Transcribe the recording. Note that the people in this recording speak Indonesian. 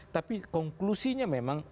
tapi konklusinya memang